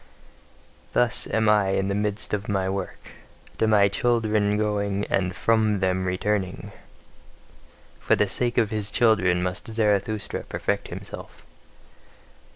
Thus am I in the midst of my work, to my children going, and from them returning: for the sake of his children must Zarathustra perfect himself.